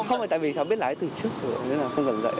không tại vì cháu biết lái từ trước rồi nên là không cần dạy ạ